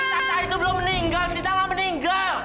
sita itu belum meninggal